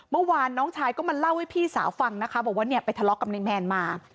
เมื่อวานน้องชายก็มาเล่าให้พี่สาวฟังนะคะบอกว่าเนี่ยไปทะเลาะกับนายแมนมา